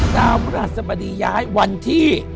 ดาวพุทธศัพทีย้ายวันที่